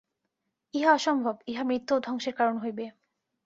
ইহা অসম্ভব, ইহা মৃত্যু ও ধ্বংসের কারণ হইবে।